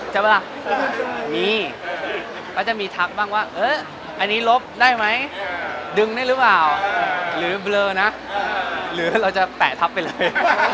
จะปะตั้งว่านี่จะมีทักบ้างว่าเออไอนี่ลบได้ไหมดึงได้รึเปล่าหรือเรื่องนะคือเราจะแตกไปเลย